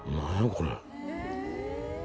これ。